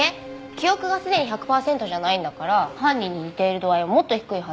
記憶がすでに１００パーセントじゃないんだから犯人に似ている度合いはもっと低いはず。